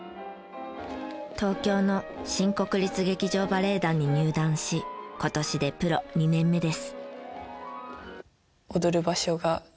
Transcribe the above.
東京の新国立劇場バレエ団に入団し今年でプロ２年目です。